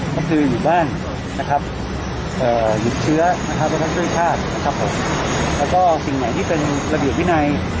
หยุดเชื้อนะครับแล้วก็สิ่งหน่อยที่เป็นระดิษฐ์วินัย